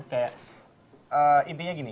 kayak intinya gini